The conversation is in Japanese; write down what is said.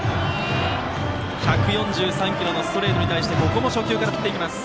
１４３キロのストレートに対してここも初球から振っていきます。